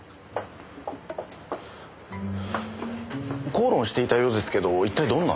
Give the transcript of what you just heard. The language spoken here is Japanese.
口論していたようですけど一体どんな？